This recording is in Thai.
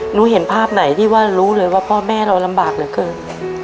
เห็นภาพไหนที่ว่ารู้เลยว่าพ่อแม่เราลำบากเหลือเกิน